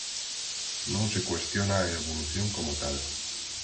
Non se cuestiona a evolución como tal.